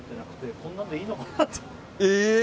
こんなんでいいのかなって。